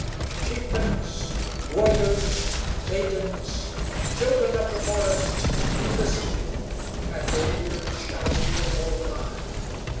"Chieftains, warriors, maidens, children of the forest, listen, and your ears shall hear no lie.